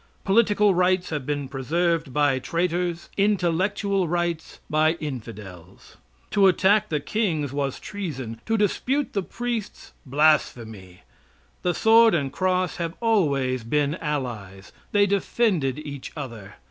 Political rights have been preserved by traitors; intellectual rights by infidels. To attack the kings was treason; to dispute the priests blasphemy. The sword and cross have always been allies; they defended each other.